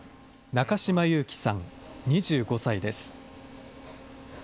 中島勇貴さん２５歳です。